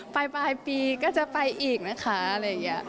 ปลายปีก็จะไปอีกนะคะอะไรอย่างนี้